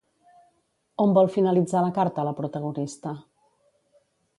On vol finalitzar la carta la protagonista?